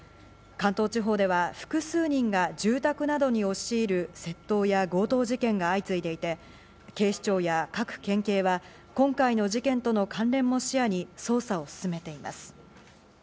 関東地方では複数人が住宅などに押し入る窃盗や強盗事件が相次いでいて、警視庁や各県警は今回の事件との関連も視野に捜査を進めています。